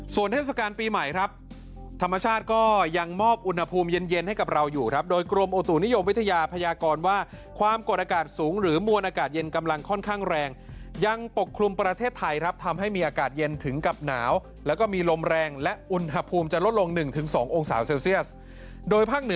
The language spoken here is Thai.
ส่วนเทศกาลปีใหม่ครับธรรมชาติก็ยังมอบอุณหภูมิเย็นเย็นให้กับเราอยู่ครับโดยกรมอุตุนิยมวิทยาพยากรว่าความกดอากาศสูงหรือมวลอากาศเย็นกำลังค่อนข้างแรงยังปกคลุมประเทศไทยครับทำให้มีอากาศเย็นถึงกับหนาวแล้วก็มีลมแรงและอุณหภูมิจะลดลง๑๒องศาเซลเซียสโดยภาคเหนือ